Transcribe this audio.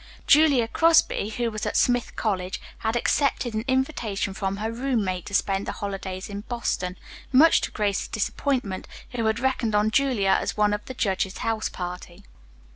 Julia Crosby, who was at Smith College, had accepted an invitation from her roommate to spend the holidays in Boston, much to Grace's disappointment, who had reckoned on Julia as one of the judge's house party.